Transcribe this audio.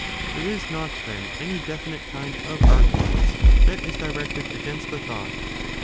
There is not, then, any definite kind of arguments that is directed against the thought.